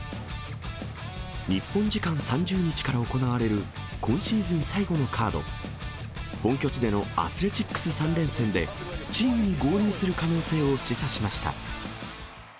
日本時間３０日から行われる今シーズン最後のカード、本拠地でのアスレチックス３連戦でチームに合流する可能性を示唆しました。